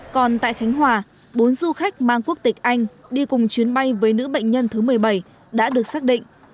còn tại khánh hòa bốn du khách mang quốc tịch anh đi cùng chuyến bay với nữ bệnh nhân thứ một mươi bảy đã được xác định